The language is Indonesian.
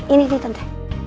ini nih tante